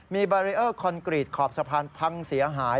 มีบารีเออร์คอนกรีตขอบสะพานพังเสียหาย